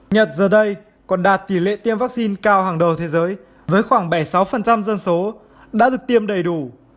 nhật giờ đây còn đạt tỷ lệ tiêm vaccine cao hàng đầu thế giới với khoảng bảy mươi sáu dân số đã được tiêm đầy đủ